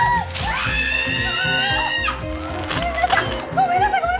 ごめんなさい！